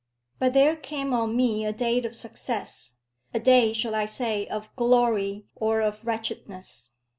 But there came on me a day of success, a day, shall I say, of glory or of wretchedness?